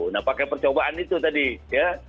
nah pakai percobaan itu tadi ya